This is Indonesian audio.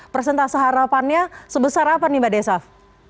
persentase harapannya sebesar apa nih mbak desaf